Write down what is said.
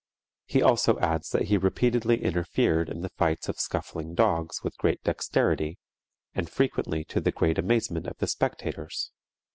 He also adds that he repeatedly interfered in the fights of scuffling dogs with great dexterity and frequently to the great amazement of the spectators.